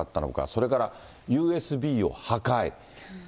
それからＵＳＢを破壊。